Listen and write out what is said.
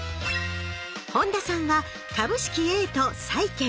本田さんは株式Ａと債券。